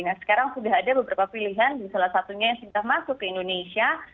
nah sekarang sudah ada beberapa pilihan di salah satunya yang sudah masuk ke indonesia